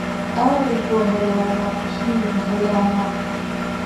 ئای بۆ هەلامە شیرین هەلامە